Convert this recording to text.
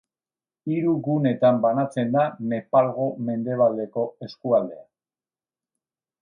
Hiru gunetan banatzen da Nepalgo Mendebaldeko eskualdea.